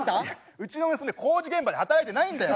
うちの娘工事現場で働いてないんだよ！